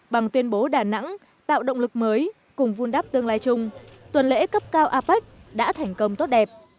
bằng tuyên bố đà nẵng tạo động lực mới cùng vun đắp tương lai chung tuần lễ cấp cao apec đã thành công tốt đẹp